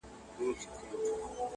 بلکي د حافظې په ژورو کي نور هم خښېږي